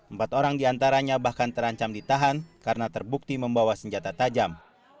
empat orang diantaranya bahkan terancam ditahan karena terbukti membawa senjata tajam